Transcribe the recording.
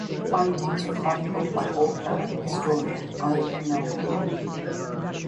The findings were chronicled by author and historian Ivor Noel Hume.